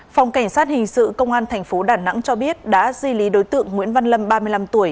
phòng cảnh sát hình sự công an tp đà nẵng cho biết đã di lý đối tượng nguyễn văn lâm ba mươi năm tuổi